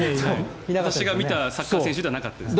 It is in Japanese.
私が見たサッカー選手ではなかったです。